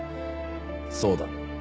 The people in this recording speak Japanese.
そうだ。